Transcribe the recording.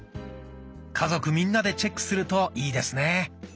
家族みんなでチェックするといいですね。